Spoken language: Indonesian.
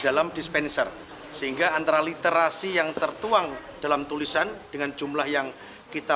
dalam dispenser sehingga antara literasi yang tertuang dalam tulisan dengan jumlah yang kita